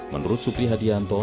menurut supri hadianto